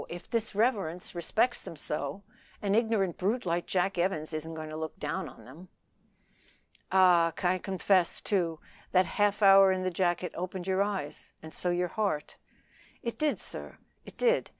if his reverence respects them so, an ignorant brute like Jack Evans isn't to look down on them." "Ah! confess, too, that half hour in the jacket opened your eyes and so your heart." "It did, sir; it did.